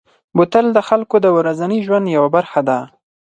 بوتل د خلکو د ورځني ژوند یوه برخه ده.